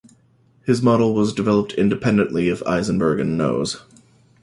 His model was developed independently of Eisenberg and Noe's.